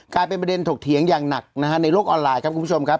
กลายเป็นประเด็นถกเถียงอย่างหนักนะฮะในโลกออนไลน์ครับคุณผู้ชมครับ